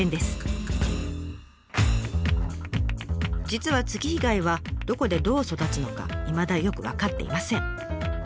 実は月日貝はどこでどう育つのかいまだよく分かっていません。